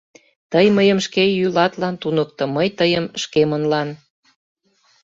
— Тый мыйым шке йӱлатлан туныкто, мый тыйым — шкемынлан.